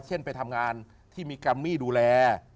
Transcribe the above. เช่นไปทำงานที่มีกัมมี่ดูแล